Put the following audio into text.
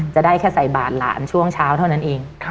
จะได้แค่ใส่บาทหลานช่วงเช้าเท่านั้นเอง